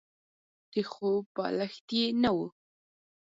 د خوب بالښت يې نه وو.